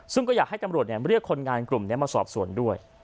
ซึ่งก็อยากให้ตำรวจเรียกคนงานกลุ่มนี้มาสอบสวนด้วย